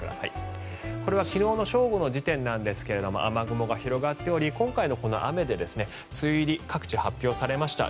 これは昨日の正午の時点なんですが雨雲が広がっており今回の雨で梅雨入り、各地発表されました。